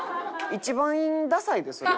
一番ダサいでそれ。